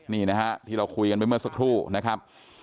นี่นะฮะที่เราคุยกันไปเมื่อสักครู่นะครับ